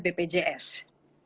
bukan hanya dikumpul oleh bpjs